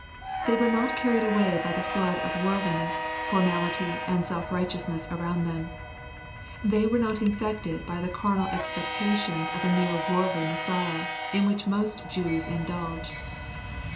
They were not carried away by the flood of worldliness, formality, and self righteousness around them. They were not infected by the carnal expectations of a mere worldly Messiah, in which most Jews indulged.